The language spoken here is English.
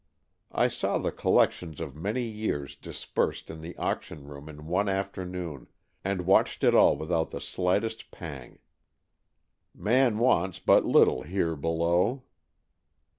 I saw the collections of many years dispersed in the auction room in one afternoon, and watched it all without the slightest pang. Man wants but little here below."